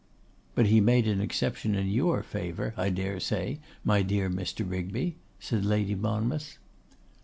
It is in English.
'But he made an exception in your favour, I dare say, my dear Mr. Rigby,' said Lady Monmouth.